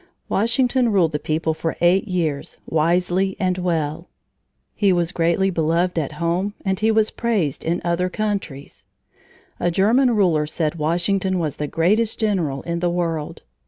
Washington ruled the people for eight years wisely and well. He was greatly beloved at home and he was praised in other countries. A German ruler said Washington was the greatest general in the world.